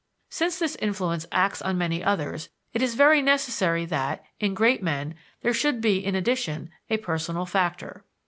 Since this influence acts on many others, it is very necessary that, in great men, there should be in addition a personal factor.